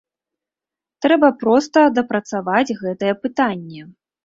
Трэба проста дапрацаваць гэтае пытанне.